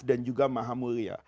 dan juga maha mulia